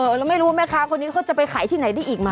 แล้วไม่รู้แม่ค้าคนนี้เขาจะไปขายที่ไหนได้อีกไหม